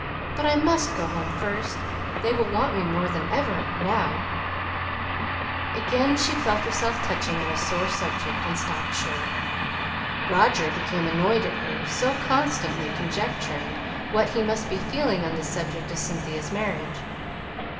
But I must go home first. They will want me more than ever now " Again she felt herself touching on a sore subject, and stopped short. Roger became annoyed at her so constantly conjecturing what he must be feeling on the subject of Cynthia's marriage.